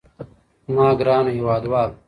زما ګرانو هېوادوالو.